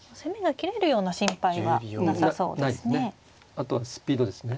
あとはスピードですね。